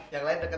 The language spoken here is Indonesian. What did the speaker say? yang lain deket